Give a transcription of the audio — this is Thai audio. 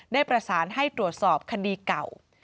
ได้ประสานให้ตรวจสอบคดีเก่า